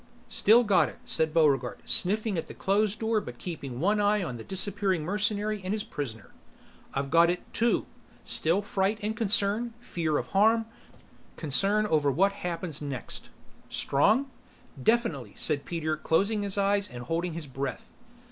"Still got it," said Buregarde, sniffing at the closed door but keeping one eye on the disappearing mercenary and his prisoner. "I've got it, too. Still fright and concern: fear of harm, concern over what happens next." "Strong?" "Definitely," said Peter closing his eyes and holding his breath.